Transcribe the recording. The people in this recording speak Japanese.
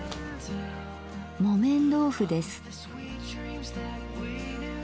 木綿豆腐です。